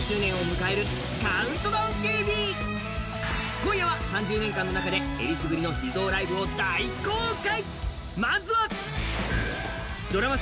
今夜は３０年間の中でえりすぐりの秘蔵ライブを大公開。